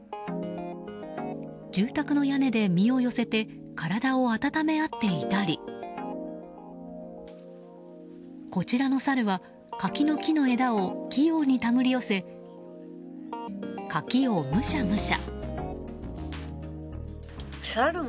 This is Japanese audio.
住宅の屋根で身を寄せて体を温め合っていたりこちらのサルは柿の木の枝を器用にたぐり寄せ柿をむしゃむしゃ。